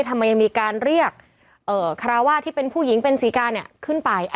ทำไมยังมีการเรียกคาราวาสที่เป็นผู้หญิงเป็นศรีกาเนี่ยขึ้นไป